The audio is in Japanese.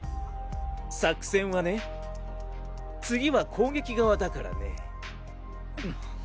作戦はね次は攻撃側だからね。